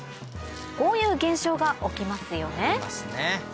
こういう現象が起きますよね